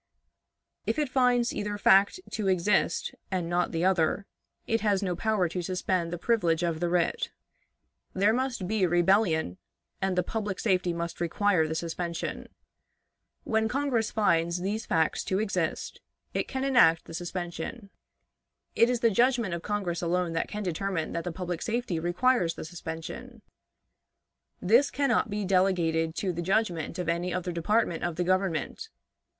If it finds either fact to exist and not the other, it has no power to suspend the privilege of the writ. There must be rebellion, and the public safety must require the suspension. When Congress finds these facts to exist, it can enact the suspension. It is the judgment of Congress alone that can determine that the public safety requires the suspension. This can not be delegated to the judgment of any other department of the Government.